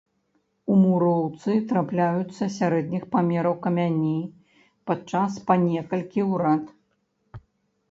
У муроўцы трапляюцца сярэдніх памераў камяні, падчас па некалькі ў рад.